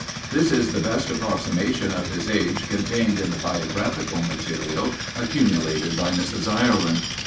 This is the best approximation of his age contained in the biographical material accumulated by Mrs. Ireland.